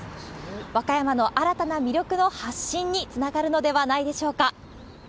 和歌山の新たな魅力の発信につながるのではないでしょうか。